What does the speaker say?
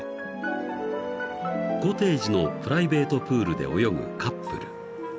［コテージのプライベートプールで泳ぐカップル］